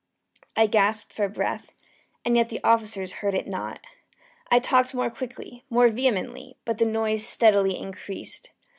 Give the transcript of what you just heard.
I gasped for breath and yet the officers heard it not. I talked more quickly more vehemently; but the noise steadily increased.